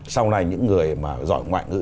sau này những người mà giỏi ngoại ngữ